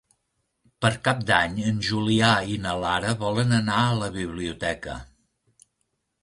Per Cap d'Any en Julià i na Lara volen anar a la biblioteca.